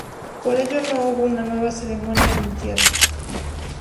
Por ello, no hubo una nueva ceremonia de entierro.